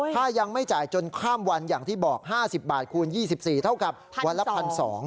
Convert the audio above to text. ถ้ายังไม่จ่ายจนข้ามวันอย่างที่บอก๕๐บาทคูณ๒๔เท่ากับวันละ๑๒๐๐